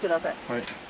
はい。